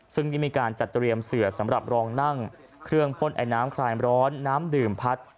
ซึ่งได้มีการจัดเตรียมเสือสำหรับรองนั่งเครื่องพ่นไอน้ำคลายร้อนน้ำดื่มพัด